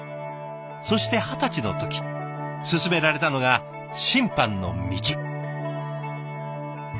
そして二十歳の時勧められたのが審判の道。